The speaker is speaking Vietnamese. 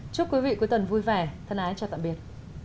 chúc quý vị cuối tuần vui vẻ thân ái chào tạm biệt